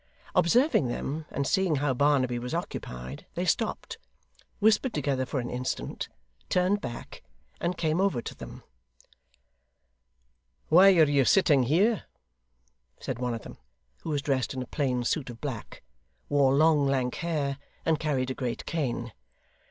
Observing them, and seeing how Barnaby was occupied, they stopped, whispered together for an instant, turned back, and came over to them. 'Why are you sitting here?' said one of them, who was dressed in a plain suit of black, wore long lank hair, and carried a great cane.